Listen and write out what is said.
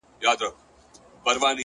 پوهه د روښانه راتلونکي بنسټ دی!.